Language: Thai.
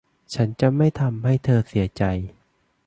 ฉันจะไม่ทำให้เธอเสียใจ